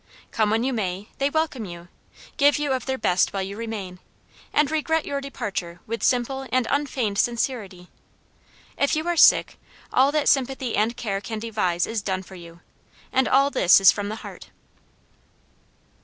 Come when you may, they welcome you; give you of their best while you remain, and regret your departure with simple and unfeigned sincerity. If you are sick, all that sympathy and care can devise is done for you, and all this is from the heart.